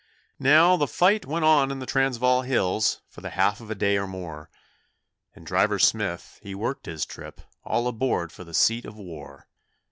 Now, the fight went on in the Transvaal hills for the half of a day or more, And Driver Smith he worked his trip all aboard for the seat of war!